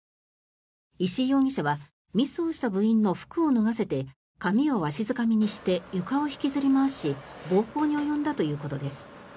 石井容疑者はミスをした部員の服を脱がせて髪をわしづかみにして床を引きずり回し暴行に及んだということです。